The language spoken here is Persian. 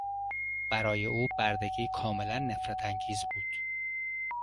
برای او بردگی کاملا نفرتانگیز بود.